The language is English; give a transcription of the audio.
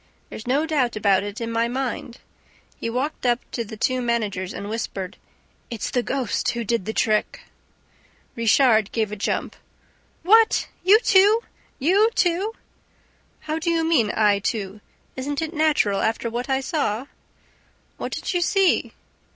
There's no doubt about it in my mind." He walked up to the two managers and whispered. "It's the ghost who did the trick!" Richard gave a jump. "What, you too! You too!" "How do you mean, I too? Isn't it natural, after what I saw?" "What did you see?"